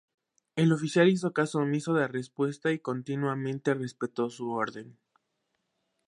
El oficial hizo caso omiso de esta respuesta y continuamente respetó su orden.